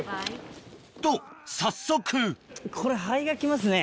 と早速これ肺がきますね。